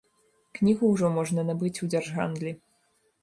Кнігу ўжо можна набыць у дзяржгандлі.